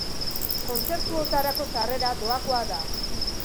Kontzertuotarako sarrera doakoa da.